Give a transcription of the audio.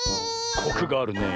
コクがあるねえ。